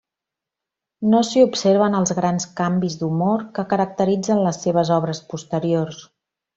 No s'hi observen els grans canvis d'humor que caracteritzen les seves obres posteriors.